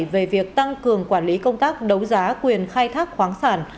về việc tăng cường quản lý công tác đấu giá quyền khai thác khoáng sản